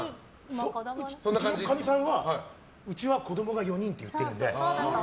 うちのかみさんはうちは子供が４人って言ってるんで。